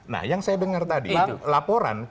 nah yang saya dengar tadi laporan